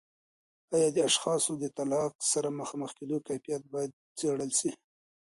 آیا د اشخاصو د طلاق سره مخامخ کیدو کیفیت باید څیړل سي؟